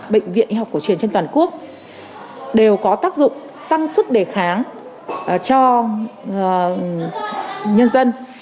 bệnh viện y học cổ truyền trên toàn quốc đều có tác dụng tăng sức đề kháng cho nhân dân